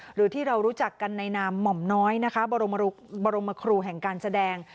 หรือที่เรารู้จักกันในนามหม่อมน้อยนะคะบรมครูแห่งการแสดง